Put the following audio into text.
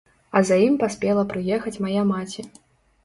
А за ім паспела прыехаць мая маці.